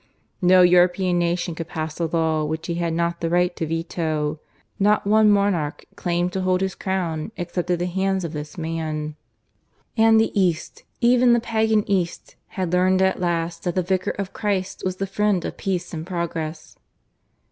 No European nation could pass a law which he had not the right to veto; not one monarch claimed to hold his crown except at the hands of this man. And the East even the pagan East had learned at last that the Vicar of Christ was the Friend of Peace and Progress.